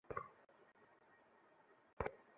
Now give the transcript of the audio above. কিছুই করতে পারব না।